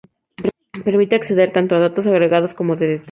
Permite acceder tanto a datos agregados como de detalle.